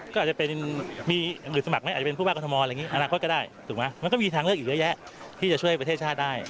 ก็อาจจะเป็นมีหรือสมัครไม่อาจจะเป็นผู้ว่ากรทมอะไรอย่างนี้อนาคตก็ได้ถูกไหมมันก็มีทางเลือกอีกเยอะแยะที่จะช่วยประเทศชาติได้